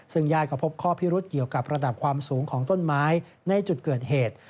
ซึ่งญาติก็พบข้อพิรุษเกี่ยวกับระดับความสูงของต้นไม้ในจุดเกิดเหตุ